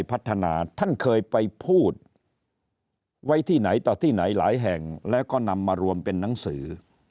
พัฒนาท่านเคยไปพูดไว้ที่ไหนต่อที่ไหนหลายแห่งแล้วก็นำมารวมเป็นหนังสือ